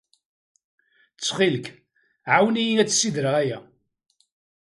Ttxil-k, ɛawen-iyi ad ssidreɣ aya.